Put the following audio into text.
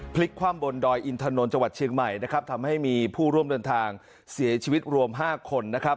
พลิกความบนดอยอินทรนด์จังหวัดเชียงใหม่ทำให้มีผู้ร่วมเดินทางเสียชีวิตรวม๕คน